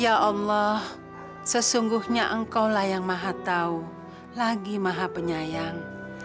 ya allah sesungguhnya engkau lah yang maha tau lagi maha penyayang